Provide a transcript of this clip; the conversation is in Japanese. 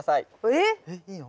えっいいの？